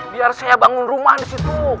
biar saya bangun rumah di situ